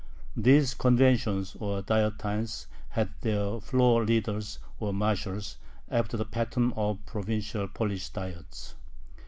These conventions or "Dietines" had their "floor leaders" or "marshals," after the pattern of the provincial Polish Diets.